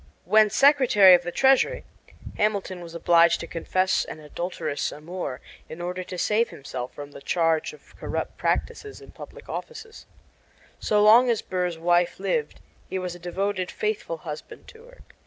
When Secretary of the Treasury, Hamilton was obliged to confess an adulterous amour in order to save himself from the charge of corrupt practices in public office. So long as Burr's wife lived he was a devoted, faithful husband to her.